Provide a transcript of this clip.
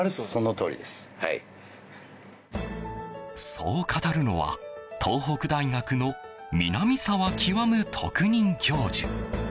そう語るのは東北大学の南澤究特任教授。